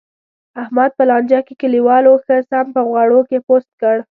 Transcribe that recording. احمد په لانجه کې، کلیوالو ښه سم په غوړو کې پوست کړ.